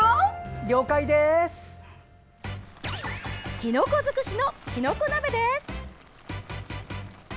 きのこづくしのきのこ鍋です。